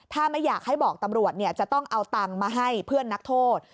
ถ้าไม่อยากให้บอกตำรวจจะต้องเอาตังค์มาให้เพื่อนนักโทษ